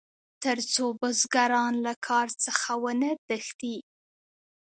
تر څو بزګران له کار څخه ونه تښتي.